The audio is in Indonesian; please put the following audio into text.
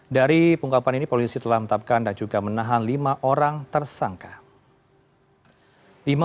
dari pengungkapan ini polisi telah menetapkan dan juga menahan lima orang tersangka